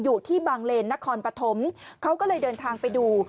อยู่ที่บางเลนนครปฐมเขาก็เลยเดินทางไปดู